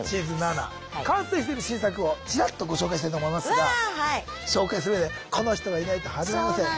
完成してる新作をチラッとご紹介したいと思いますが紹介するうえでこの人がいないと始まりません。